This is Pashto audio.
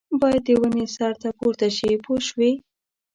باید د ونې سر ته پورته شي پوه شوې!.